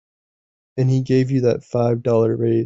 And he gave you that five dollar raise.